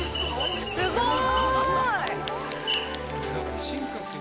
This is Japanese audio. すごい！